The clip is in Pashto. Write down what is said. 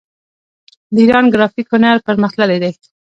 د ایران ګرافیک هنر پرمختللی دی.